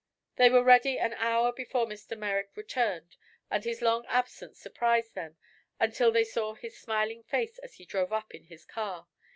They were ready an hour before Mr. Merrick returned, and his long absence surprised them until they saw his smiling face as he drove up in his car.